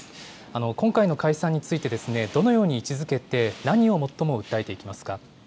今回の解散について、どのように位置づけて、何を最も訴えていきますか。